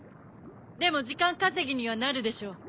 でも時間稼ぎにはなるでしょう。